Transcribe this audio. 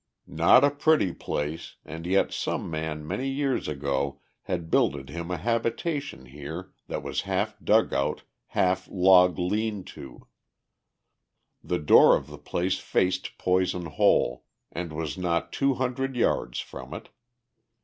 Not a pretty place, and yet some man many years ago had builded him a habitation here that was half dugout, half log lean to. The door of the place faced Poison Hole, and was not two hundred yards from it.